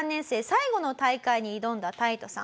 最後の大会に挑んだタイトさん。